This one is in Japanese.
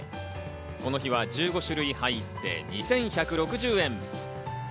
この日は１５種類入って２１６０円。